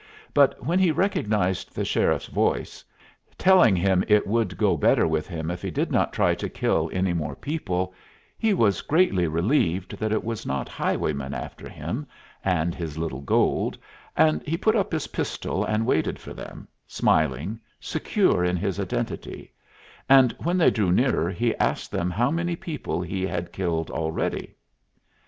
But when he recognized the sheriff's voice, telling him it would go better with him if he did not try to kill any more people, he was greatly relieved that it was not highwaymen after him and his little gold, and he put up his pistol and waited for them, smiling, secure in his identity; and when they drew nearer he asked them how many people he had killed already.